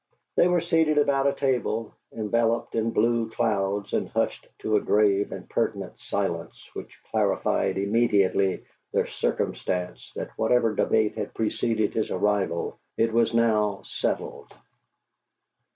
They were seated about a table, enveloped in blue clouds, and hushed to a grave and pertinent silence which clarified immediately the circumstance that whatever debate had preceded his arrival, it was now settled.